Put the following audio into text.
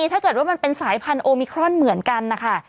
ถ้าเกิดว่ามันเป็นสายพันธุมิครอนเหมือนกันนะคะ